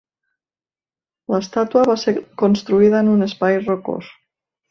L'estàtua va ser construïda en un espai rocós.